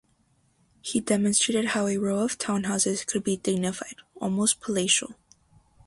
He demonstrated how a row of town houses could be dignified, almost palatial.